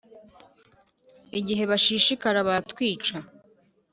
Igihe bashishikara batwica